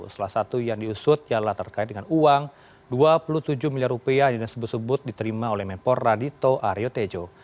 salah satu yang diusut ialah terkait dengan uang dua puluh tujuh miliar rupiah yang disebut sebut diterima oleh mempor radito aryo tejo